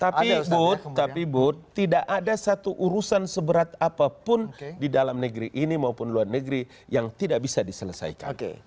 tapi but tapi but tidak ada satu urusan seberat apapun di dalam negeri ini maupun luar negeri yang tidak bisa diselesaikan